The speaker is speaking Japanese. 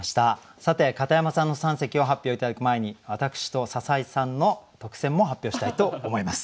さて片山さんの三席を発表頂く前に私と篠井さんの特選も発表したいと思います。